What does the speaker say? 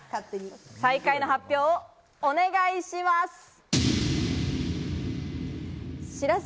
最下位の発表をお願いします。